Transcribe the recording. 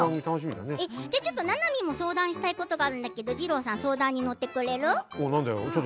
ななみも相談したいことがあるんだけど相談に乗ってくれる？